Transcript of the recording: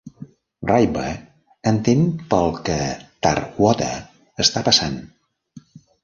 Rayber entén pel que Tarwater està passant.